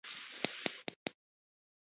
د بشري حقونو په برخه کې ستاسو نظر څه دی.